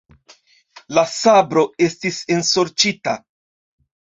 La sabro estis ensorĉita!